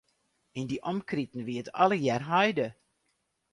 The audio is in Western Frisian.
Yn dy omkriten wie it allegear heide.